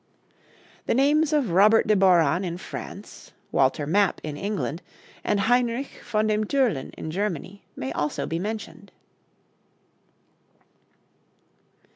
The names of Robert de Borron in France, Walter Map in England, and Heinrich von dem Türlin in Germany, may also be mentioned.